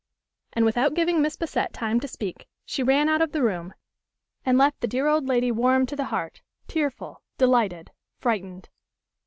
And, without giving Miss Bassett time to speak, she ran out of the room, and left the dear old lady warmed to the heart, tearful, delighted, frightened.